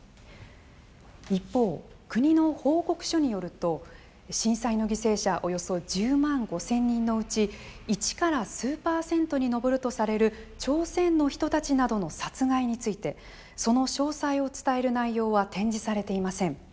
一方、国の報告書によると震災の犠牲者およそ１０万５０００人のうち１から数パーセントに上るとされる朝鮮の人たちなどの殺害についてその詳細を伝える内容は展示されていません。